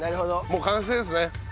もう完成ですね。